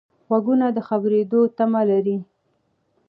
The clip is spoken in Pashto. غوږونه د خبرېدو تمه لري